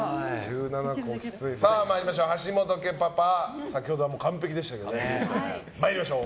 橋本家パパ、先ほどは完璧でしたが参りましょう。